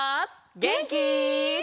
げんき？